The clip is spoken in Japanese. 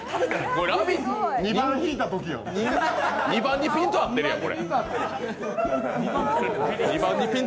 ２番にピント合ってるやん。